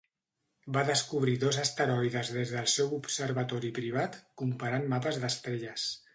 Va descobrir dos asteroides des del seu observatori privat comparant mapes d'estrelles.